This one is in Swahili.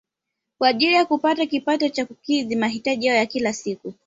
Kwa ajili ya kupata kipato cha kukidhi mahitaji yao ya kila siku